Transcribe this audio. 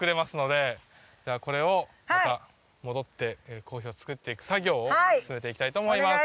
では、これを、また戻ってコーヒーを作っていく作業を進めていきたいと思います。